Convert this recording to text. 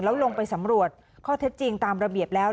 แล้วลงไปสำรวจข้อเท็จจริงตามระเบียบแล้ว